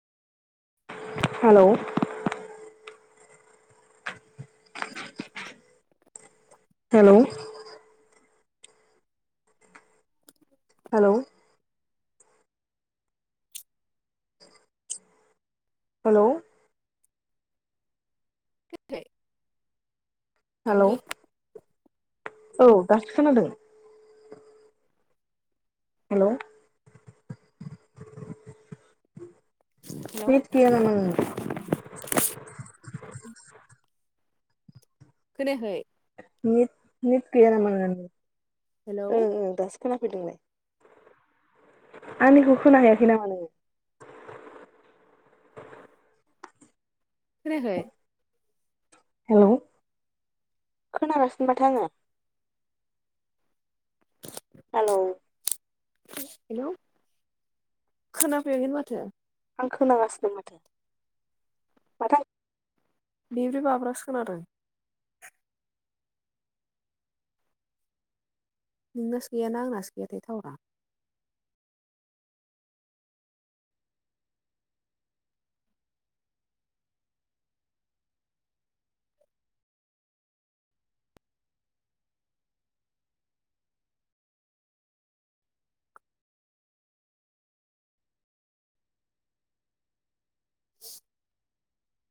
Hello hello hello hello खोनायाखै hello खोनायाखैलै। औ दासो खोनादों। हेलौ हेलौ नेट गैया नामा नोंनाव खोनायखै। नेट नेट गैया नामा नोंनालाय हेलौ ओं ओं दासो खोना फैदोंलाय। आंनिखौ खोनना हैयाखै नामा नोङो। खोनायाखै? हेलौ खोनागासिनो माथो आङो। हेलौ हेलौ खोनाफैयाखैनो माथो आं खोनागासिनो माथो माथो आं बेब्रे बाब्रासो खोनादों। नोंनासो गैयाना आंनासो गैयाथाय थावरा।